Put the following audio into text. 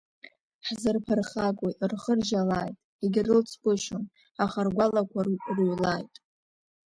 Ҳзырԥырхагои, рхы ржьалааит, егьрылҵгәышьом, аха ргәалақәа рҩлааит!